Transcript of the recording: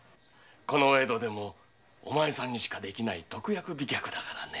このお江戸でもお前さんにしかできない特約飛脚だからね。